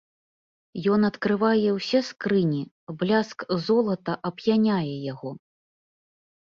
Ён адкрывае усе скрыні, бляск золата ап'яняе яго.